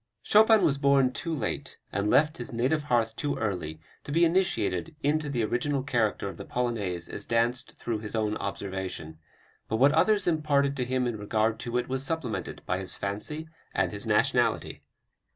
Chopin was born too late, and left his native hearth too early, to be initiated into the original character of the Polonaise as danced through his own observation. But what others imparted to him in regard to it was supplemented by his fancy and his nationality."